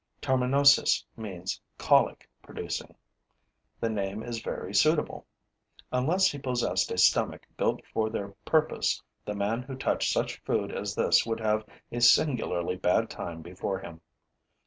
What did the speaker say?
Torminosus means colic producing. The name is very suitable. Unless he possessed a stomach built for the purpose, the man who touched such food as this would have a singularly bad time before him.